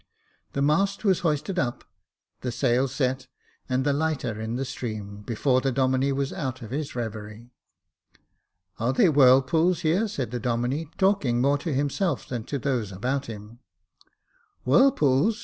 The mast was hoisted up, the sail set, and the lighter in the stream, before the Domine was out of his reverie. Are there whirlpools here .''" said the Domine, talking more to himself than to those about him. Whirlpools